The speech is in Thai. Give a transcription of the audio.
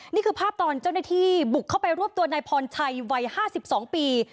นี่คือภาพตอนเจ้าหน้าที่บุกเข้าไปรวบตัวนายพรชัยวัย๕๒ปี